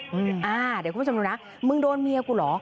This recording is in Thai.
เดี๋ยวคุณผู้ชมดูนะมึงโดนเมียกูเหรอ